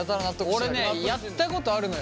俺ねやったことあるのよ